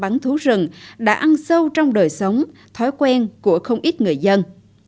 bán thú rừng đã ăn sâu trong đời sống thói quen của không ít người dân